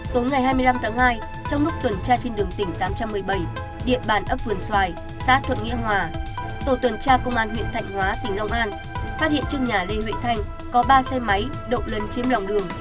tối ngày hai mươi năm tháng hai trong lúc tuần tra trên đường tỉnh tám trăm một mươi bảy địa bàn ấp vườn xoài xã thuận nghĩa hòa tổ tuần tra công an huyện thạnh hóa tỉnh long an phát hiện trên nhà lê huệ thanh có ba xe máy đậu lấn chiếm lòng đường